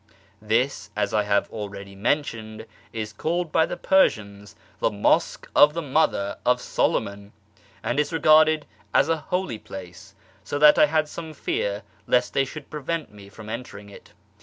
This, as I have already mentioned, is called by the Persians " the Mosque of the Mother of Solomon," and is regarded as a holy place, so that I had some fear lest they should prevent me from entering it.